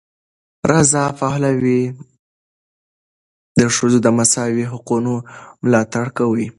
رضا پهلوي د ښځو د مساوي حقونو ملاتړ کوي.